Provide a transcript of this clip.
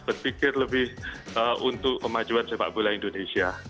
berpikir lebih untuk kemajuan sepak bola indonesia